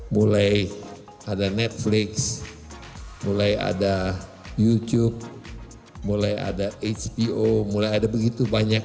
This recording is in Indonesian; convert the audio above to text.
mulai ada netflix mulai ada youtube mulai ada hpo mulai ada begitu banyak